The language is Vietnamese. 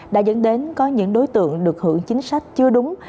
đã dẫn đến có những đối tượng được hưởng chính sách chưa đúng